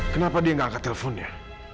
kenapa dia nggak akan teleponnya